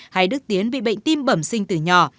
hay đức tiến bị bệnh tim bẩm sinh từ nhỏ